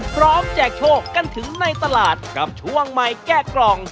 แจกโชคกันถึงในตลาดกับช่วงใหม่แก้กล่อง